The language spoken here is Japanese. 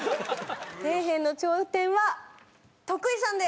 底辺の頂点は徳井さんで。